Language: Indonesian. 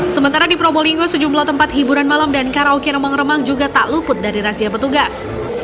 sementara di probolinggo sejumlah tempat hiburan malam dan karaoke remang remang juga tak luput dari razia petugas